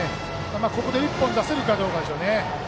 ここで１本出せるかどうかでしょうね。